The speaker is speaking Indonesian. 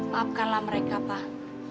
maafkanlah mereka pak